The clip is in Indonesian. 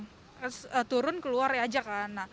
terus turun keluar ya aja kan